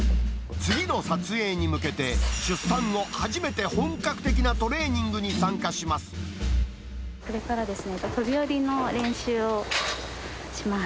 次の撮影に向けて、出産後初めて本格的なトレーニングに参加します。